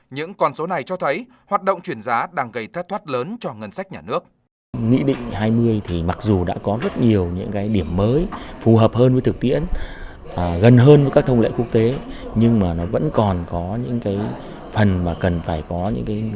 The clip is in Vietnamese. những con số này cho thấy hoạt động chuyển giá của các doanh nghiệp lỗ doanh nghiệp có dấu hiệu chuyển giá